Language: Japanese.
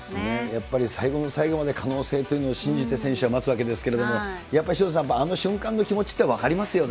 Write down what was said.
やっぱり最後の最後まで可能性というのを信じて選手は待つわけですけれども、やっぱり潮田さん、あの瞬間の気持ちっていうのは分かりますよね。